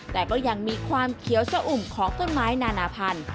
แต่ก็ยังมีความเขียวสะอุ่มของต้นไม้นานาพันธุ